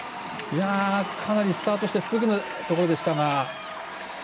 かなりスタートしてすぐのところでしたが。